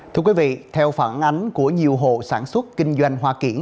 thưa quý vị theo phản ánh của nhiều hộ sản xuất kinh doanh hoa kiển